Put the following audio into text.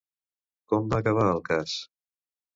Com va acabar el cas?